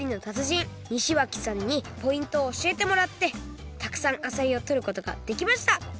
じん西脇さんにポイントをおしえてもらってたくさんあさりをとることができました！